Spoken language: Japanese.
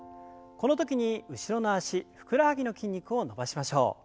この時に後ろの脚ふくらはぎの筋肉を伸ばしましょう。